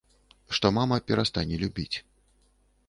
Што мама перастане любіць.